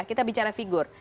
kita bicara figur